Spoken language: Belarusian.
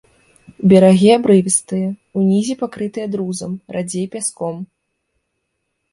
Берагі абрывістыя, унізе пакрытыя друзам, радзей пяском.